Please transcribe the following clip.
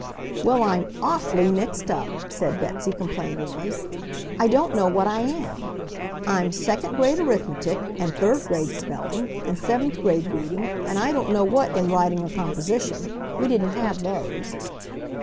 "Well, I'm AWFULLY mixed up!" said Betsy, complainingly. "I don't know what I am! I'm second grade arithmetic and third grade spelling and seventh grade reading and I don't know what in writing or composition. We didn't have those."